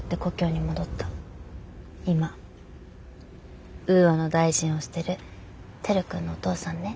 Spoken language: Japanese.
今ウーアの大臣をしてる照君のお父さんね。